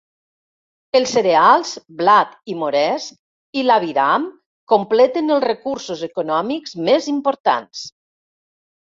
Els cereals, blat i moresc, i l'aviram completen els recursos econòmics més importants.